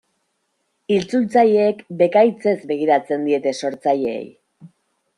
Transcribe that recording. Itzultzaileek bekaitzez begiratzen diete sortzaileei.